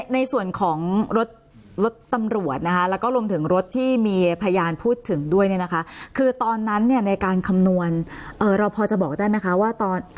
ในส่วนของรถรถตำรวจนะคะแล้วก็รวมถึงรถที่มีพยานพูดถึงด้วยเนี่ยนะคะคือตอนนั้นเนี่ยในการคำนวณเราพอจะบอกได้ไหมคะว่าตอน